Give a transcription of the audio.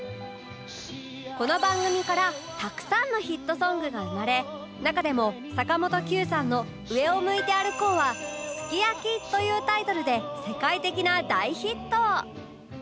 この番組からたくさんのヒットソングが生まれ中でも坂本九さんの『上を向いて歩こう』は『ＳＵＫＩＹＡＫＩ』というタイトルで世界的な大ヒット